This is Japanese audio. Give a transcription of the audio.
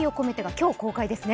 今日公開ですね。